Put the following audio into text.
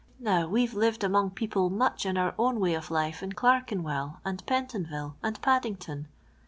Now, we've lived among people much in our own way of life in Clerltenwell, and Pentonville, and Taddington.